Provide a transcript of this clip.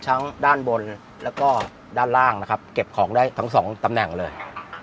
ทั้งด้านบนแล้วก็ด้านล่างนะครับเก็บของได้ทั้งสองตำแหน่งเลย